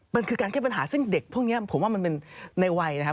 มันคือการแก้ปัญหาซึ่งเด็กพวกนี้ผมว่ามันเป็นในวัยนะครับ